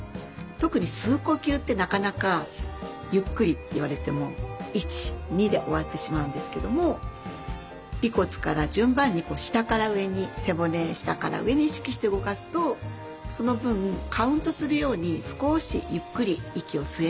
特に吸う呼吸ってなかなかゆっくりって言われても１２で終わってしまうんですけども尾骨から順番に下から上に背骨下から上に意識して動かすとその分カウントするように少しゆっくり息を吸えるようになります。